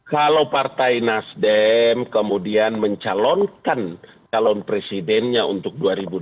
kalau partai nasdem kemudian mencalonkan calon presidennya untuk dua ribu dua puluh